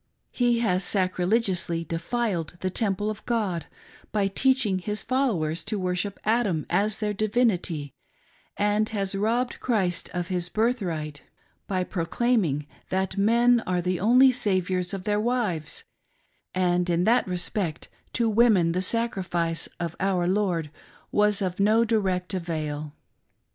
He has sacrilegiously defiled the temple of God, by teaching his followers to worship Adam as their divinity, and has robbed Christ of his birthright by proclaiming that men are the only saviours of their wives and that in respect to women the sacrifice of our Lord was of no direct avail.